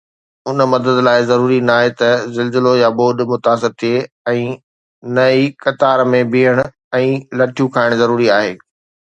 ان مدد لاءِ ضروري ناهي ته زلزلو يا ٻوڏ متاثر ٿئي ۽ نه ئي قطار ۾ بيهڻ ۽ لٺيون کائڻ ضروري آهي.